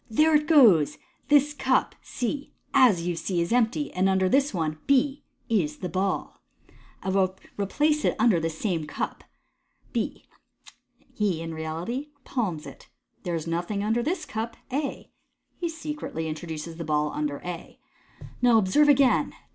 '* There it goes ! This cup (C), as you see, is empty, and under this one (B) is the ball. I will replace it under this same cup " (B). He in reality palms it. " There is nothing under this cup" (A). He secretly introduces the ball under A. u Now observe again.